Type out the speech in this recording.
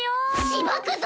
しばくぞ！